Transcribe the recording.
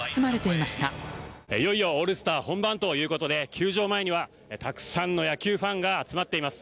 いよいよオールスター本番ということで球場前にはたくさんの野球ファンが集まっています。